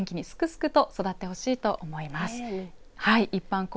これから元気にすくすくと育ってほしいと思います。